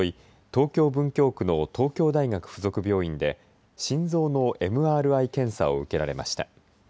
東京文京区の東京大学附属病院で心臓のＭＲＩ検査を受けられました。